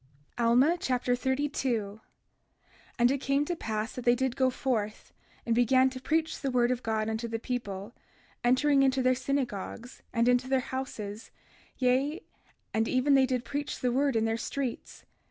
Alma Chapter 32 32:1 And it came to pass that they did go forth, and began to preach the word of God unto the people, entering into their synagogues, and into their houses; yea, and even they did preach the word in their streets.